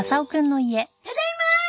ただいま！